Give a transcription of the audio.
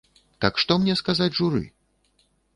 Так што мне сказаць журы?